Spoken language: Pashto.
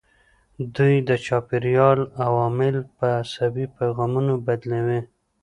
دوی د چاپیریال عوامل په عصبي پیغامونو بدلوي.